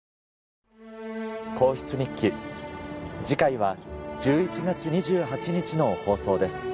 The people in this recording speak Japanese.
『皇室日記』次回は１１月２８日の放送です。